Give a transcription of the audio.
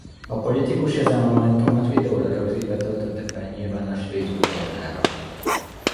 A politikus ezen momentumot videóra rögzítve töltötte fel a nyilvános Facebook oldalára.